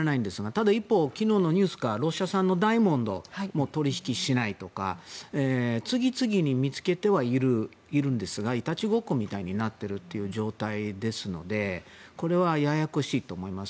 ただ一方、昨日のニュースでロシア産のダイヤモンドも取引しないとか次々に見つけてはいるんですがいたちごっこみたいになっている状態ですのでこれは、ややこしいと思います。